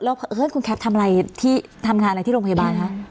แล้วคุณแคปทำอะไรที่ทำงานอะไรที่โรงพยาบาลคะ